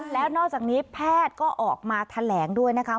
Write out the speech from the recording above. แล้วนอกจากนี้แพทย์ก็ออกมาแถลงด้วยนะคะ